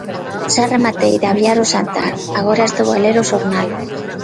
Xa rematei de aviar o xantar, agora estou a ler o xornal.